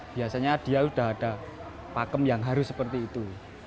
biasanya dia sudah ada pakem yang harus seperti itu